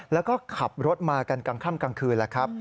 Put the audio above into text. แล้วก็ขับรถมากันกลางค่ำกลางคืนแล้วครับ